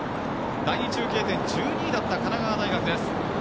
第２中継点、１２位だった神奈川大学。